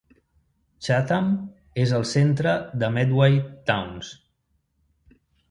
Chatham és el centre de Medway Towns.